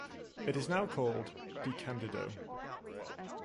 It is now called "De Candido".